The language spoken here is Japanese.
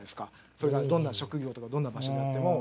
それがどんな職業とかどんな場所であっても。